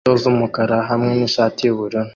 inkweto z'umukara hamwe nishati yubururu